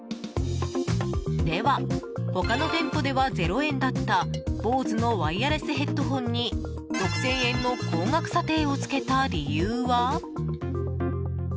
では、他の店舗では０円だったＢＯＳＥのワイヤレスヘッドホンに６０００円の高額査定をつけた理由は？